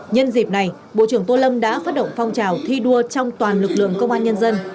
nhân dịp này bộ trưởng tô lâm đã phát động phong trào thi đua trong toàn lực lượng công an nhân dân